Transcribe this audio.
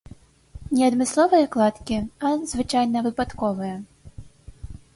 Не адмысловыя кладкі, а, звычайна, выпадковыя.